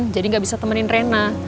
jadi gak bisa temenin rena